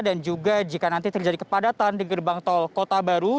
dan juga jika nanti terjadi kepadatan di gerbang tol kota baru